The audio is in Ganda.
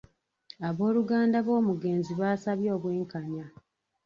Abooluganda b'omugenzi baasabye obwenkanya.